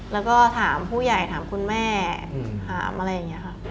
แล้วก็ถามผู้ใหญ่ถามคุณแม่ถามอะไรอย่างนี้ค่ะ